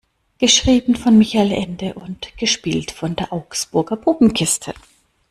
Geschrieben von Michael Ende und gespielt von der Augsburger Puppenkiste.